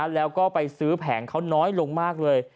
แล้วก็ไปซื้อแผงเขาน้อยลงมากเลย